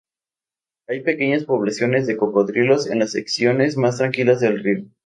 Hay pequeñas poblaciones de cocodrilos en las secciones más tranquilas del río.